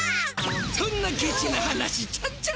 そんなケチな話ちゃんちゃら